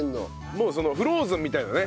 もうそのフローズンみたいなね。